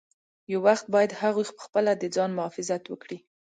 یو وخت باید هغوی پخپله د ځان مخافظت وکړي.